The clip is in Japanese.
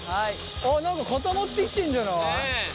何か固まってきてんじゃない？